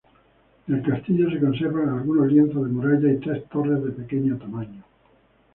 Del castillo se conservan algunos lienzos de muralla y tres torres de pequeño tamaño.